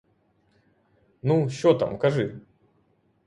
Ну, що там, кажи?